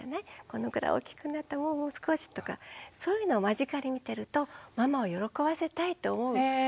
このぐらい大きくなってもう少しとかそういうのを間近で見てるとママを喜ばせたいと思う気持ちもあるのかな。